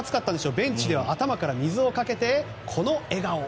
ベンチでは頭から水をかけてあの笑顔。